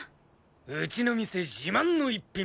うちの店自慢の一品